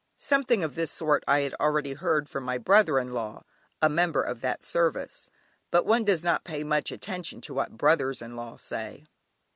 Something of this sort I had already heard from my brother in law, a member of that service, but one does not pay much attention to what brothers in law say.